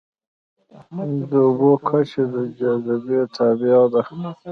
د اوبو کچه د جاذبې تابع ده.